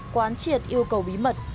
quán triệt yêu cầu bí mật